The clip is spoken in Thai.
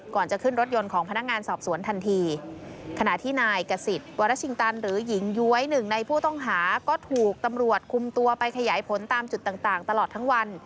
ก่อนจะขึ้นรถยนต์ของพนักงานสอบสวนทันทีขณะที่นายกษิตวรชิงตันหรือหญิงย้วยหนึ่งในผู้ต้องหาก็ถูกตำรวจคุมตัวไปขยายผลตามจุดต่างต่างตลอดทั้งวัน